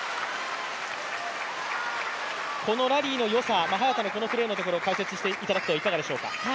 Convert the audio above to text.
このラリーの良さ早田のプレーのところ解説していただくといかがでしょうか。